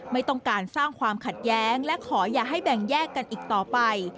ไม่ต้องการสร้างความขัดแย้งและขออย่าให้แบ่งแยกกันอีกต่อไป